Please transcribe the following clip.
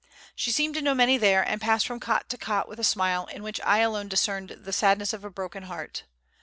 She seemed to know many there, and passed from cot to cot with a smile in which I alone discerned the sadness of a broken heart.